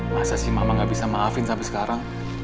masa sih mama gak bisa maafin sampai sekarang